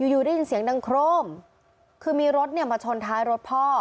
อยู่ได้ยินเสียงดังโครมคือมีรถเนี่ยมาชนท้ายรถพ่อ